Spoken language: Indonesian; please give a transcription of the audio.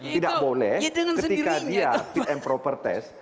tidak boleh ketika dia fit and proper test